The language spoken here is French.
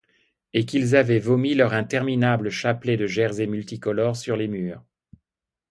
et qu'ils avaient vomi leurs interminables chapelets de jersey multicolores sur les murs.